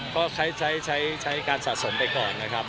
ก็ใช้การสะสมไปก่อนนะครับ